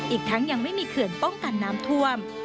อีกทั้งยังไม่มีเขื่อนป้องกันน้ำท่วม